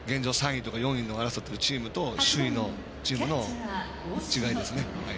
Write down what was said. ３位とか４位の争ってるチームと首位のチームの違いですね。